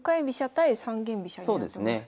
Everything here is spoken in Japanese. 対三間飛車になってますね。